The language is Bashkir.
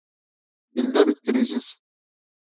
Илдә бит кризис...